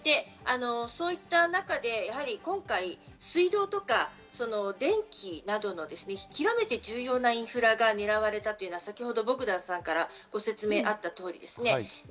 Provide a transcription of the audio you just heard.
そういう中で今回水道とか電気などの極めて重要なインフラが狙われたというのは先ほどボグダンさんからご説明があった通りです。